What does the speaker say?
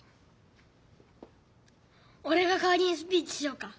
おれがかわりにスピーチしようか？